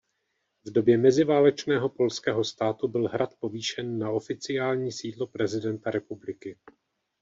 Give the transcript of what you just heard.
V době meziválečného polského státu byl hrad povýšen na oficiální sídlo prezidenta republiky.